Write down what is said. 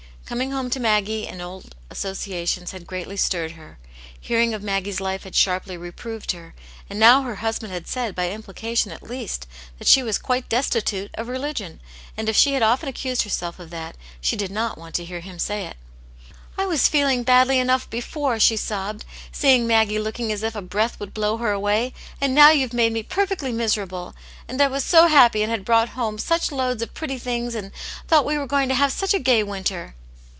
Coming home to Maggie and old associations had greatly stirred her ; hearing of Maggie's life had sharply reproved her, and now her husband had said, by implication at least, that she was quite destitute of religion, and if she had often accused herself of that, she did not want to hear him say it. " I was feeling badly enough before," she sobbed, " seeing Maggie looking as if a breath would blow her away, and now youVe made me perfectly miser able. And I was so happy and had brought home such loads of pretty things, and thought we were going to have such a gay winter."